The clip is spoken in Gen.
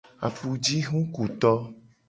Apujihukuto.